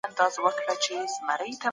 د کابل خلګو له احمد شاه ابدالي سره څه وکړل؟